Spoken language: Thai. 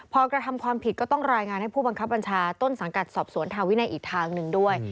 พอกระทำความผิดก็ต้องรายงานให้ผู้บังคับบัญชาต้นสังกัดสอบสวนทางวินัยอีกทางหนึ่งด้วย